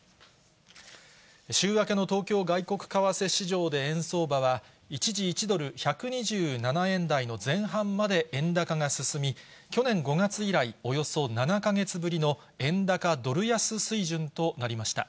週明けの東京外国為替市場で円相場は一時１ドル１２７円台の前半まで円高が進み、去年５月以来、およそ７か月ぶりの円高ドル安水準となりました。